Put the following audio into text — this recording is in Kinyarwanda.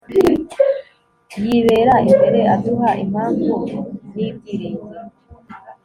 yibera imbere, aduha impamvu n'ibyiringiro